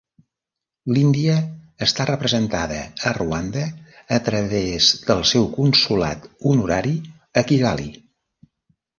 L'Índia està representada a Ruanda a través del seu Consolat Honorari a Kigali.